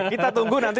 kita tunggu nanti